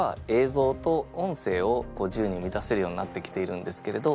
ぞうと音声をこう自由に生み出せるようになってきているんですけれど